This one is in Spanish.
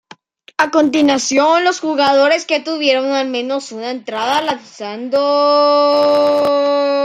A continuación los jugadores que tuvieron al menos una entrada lanzando.